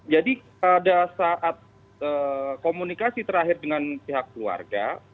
jadi pada saat komunikasi terakhir dengan pihak keluarga